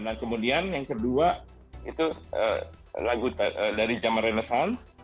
nah kemudian yang kedua itu lagu dari jaman renesans